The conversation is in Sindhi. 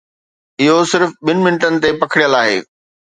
اهو صرف ٻن منٽن تي پکڙيل آهي.